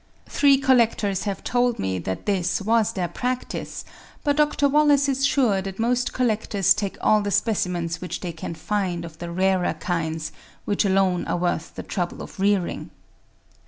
Three collectors have told me that this was their practice; but Dr. Wallace is sure that most collectors take all the specimens which they can find of the rarer kinds, which alone are worth the trouble of rearing.